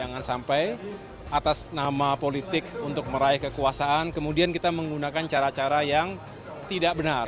jangan sampai atas nama politik untuk meraih kekuasaan kemudian kita menggunakan cara cara yang tidak benar